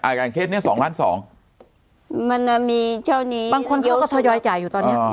อย่างเคสเนี้ยสองล้านสองมันมีเช่านี้บางคนเขาก็ทยอยจ่ายอยู่ตอนเนี้ย